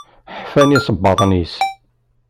Ḥfan isebbaḍen-is.